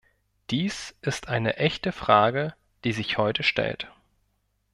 Dies ist eine echte Frage, die sich heute stellt.